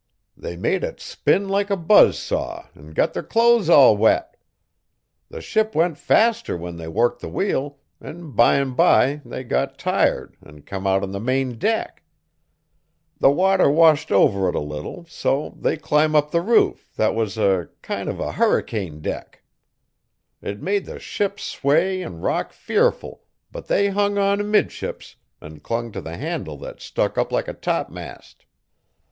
They made it spin like a buzz saw an' got their clothes all wet. The ship went faster when they worked the wheel, an' bime bye they got tired an' come out on the main deck. The water washed over it a little so they clim up the roof thet was a kin' uv a hurricane deck. It made the ship sway an' rock fearful but they hung on 'midships, an' clung t' the handle that stuck up like a top mast.